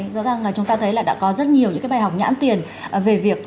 rõ ràng là chúng ta thấy là đã có rất nhiều những cái bài học nhãn tiền về việc